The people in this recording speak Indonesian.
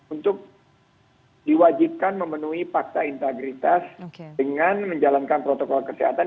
untuk diwajibkan memenuhi fakta integritas dengan menjalankan protokol kesehatan